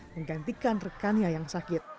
menggantikan rekannya yang sakit